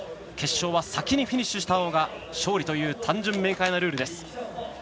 決勝は先にフィニッシュしたほうが勝利という単純明快なルールです。